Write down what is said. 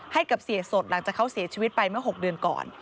ให้กับเสียสดหลังจากเขาเสียชีวิตไปเมื่อ๖เดือนก่อน